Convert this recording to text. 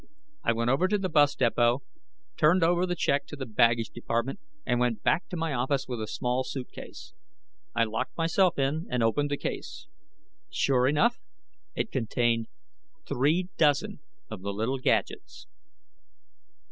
I went over to the bus depot, turned over the check to the baggage department, and went back to my office with a small suitcase. I locked myself in and opened the case. Sure enough, it contained three dozen of the little gadgets.